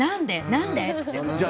何で？って。